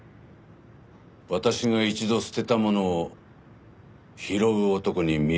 私が一度捨てたものを拾う男に見えるかい？